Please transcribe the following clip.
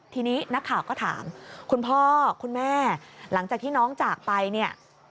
ทีนี้นักข่าวก็ถามคุณพ่อคุณแม่หลังจากที่น้องจากไปเนี่ย